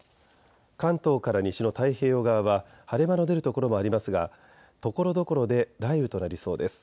関東から西の太平洋側は晴れ間の出る所もありますがところどころで雷雨となりそうです。